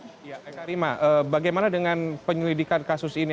iya eka rima bagaimana dengan penyelidikan kasus ini